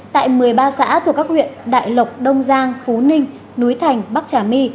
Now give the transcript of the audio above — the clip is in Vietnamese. tại một mươi ba xã thuộc các huyện đại lộc đông giang phú ninh núi thành bắc trà my